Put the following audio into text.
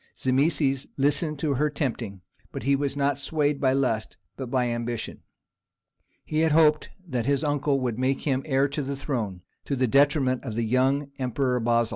Zimisces listened to her tempting, but he was not swayed by lust, but by ambition: he had hoped that his uncle would make him heir to the throne, to the detriment of the young emperor Basil.